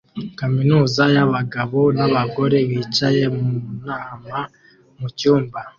kaminuza y'abagabo n'abagore bicaye mu nama mucyumba